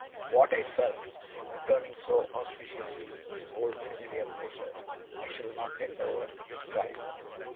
What I felt, in returning so auspiciously to the old familiar places, I shall not endeavour to describe.